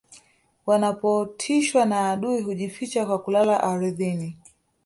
wanapotishwa na adui hujificha kwa kulala ardhini